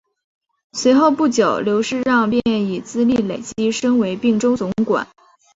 随后不久刘世让便以资历累积升为并州总管。